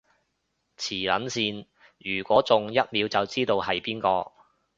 磁能線，如果中，一秒知道係邊個